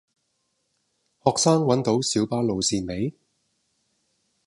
學生搵到小巴路線未